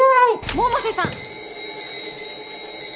百瀬さん！